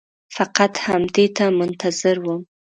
فقط همدې ته منتظر وم.